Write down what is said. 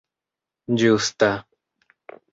ĝusta